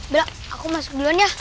bilang aku masuk duluan ya